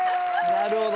なるほど。